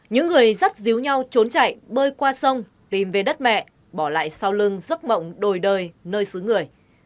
những người rất díu nhau trốn chạy bơi qua sông tìm về đất mẹ bỏ lại sau lưng giấc mộng đổi đời nơi xứ người